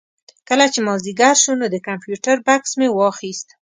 کله چې مازدیګر شو نو د کمپیوټر بکس مې واخېست.